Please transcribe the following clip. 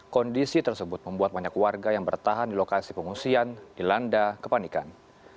kondisi tersebut membuat banyak warga yang bertahan di lokasi pengungsian dilanda kepanikan